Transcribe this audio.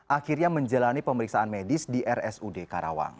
akhirnya menjalani pemeriksaan medis di rsud karawang